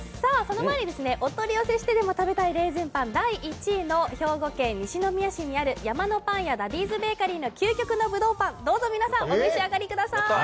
その前にお取り寄せしてでも食べたいレーズンパン第１位の兵庫県西宮市にある山のパン屋ダディーズベーカリーの究極のぶどうパンどうぞ皆さんお召し上がりください。